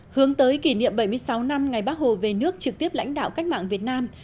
hướng tới kỷ niệm bảy mươi sáu năm ngày bác hồ về nước trực tiếp lãnh đạo cách mạng việt nam